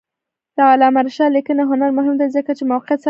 د علامه رشاد لیکنی هنر مهم دی ځکه چې موقعیت څرګندوي.